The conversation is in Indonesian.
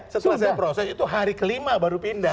setelah saya proses itu hari kelima baru pindah